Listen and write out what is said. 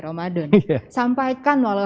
ramadan sampaikan walau